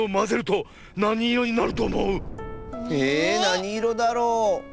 えなにいろだろ？